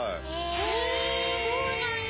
へえそうなんだ。